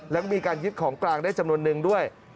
แล้วมีการยึดของกลางได้จำนวนนึงด้วย